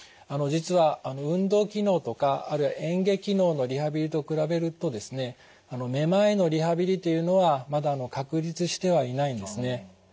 実は運動機能とかあるいは嚥下機能のリハビリと比べるとですねめまいのリハビリというのはまだ確立してはいないんですね。